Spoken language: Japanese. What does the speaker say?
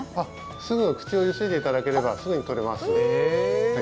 すぐ口をゆすいでいただけれは取れます。